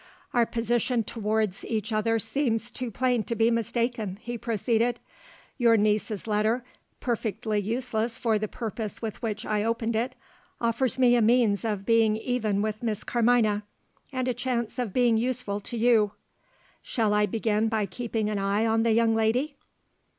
"Our position towards each other seems too plain to be mistaken," he proceeded. "Your niece's letter perfectly useless for the purpose with which I opened it offers me a means of being even with Miss Carmina, and a chance of being useful to You. Shall I begin by keeping an eye on the young lady?"